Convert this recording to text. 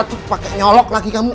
aduh pake nyolok lagi kamu